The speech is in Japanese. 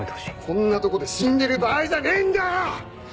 こんなとこで死んでる場合じゃねえんだよ‼